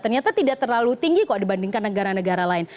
ternyata tidak terlalu tinggi kok dibandingkan negara negara lain